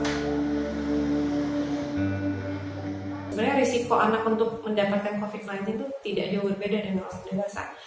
sebenarnya risiko anak untuk mendapatkan covid sembilan belas itu tidak jauh berbeda dengan orang dewasa